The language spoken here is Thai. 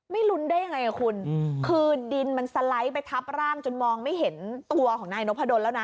อ๋อไม่รุนได้ยังไงอ่ะคุณอืมคือดินมันสไลด์ไปทับร่างจนมองไม่เห็นตัวของนายน้องพ่อโดนแล้วนะ